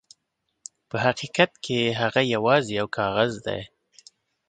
په حقیقت کې هغه یواځې یو کاغذ دی.